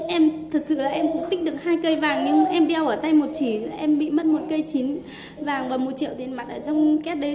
em thật sự là em cũng tích được hai cây vàng nhưng em đeo ở tay một chỉ là em bị mất một cây chín vàng và một triệu tiền mặt ở trong két đây